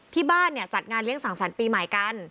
ที่บ้านเนี่ยจัดงานเลี้ยสั่งสรรค์ปีใหม่กัน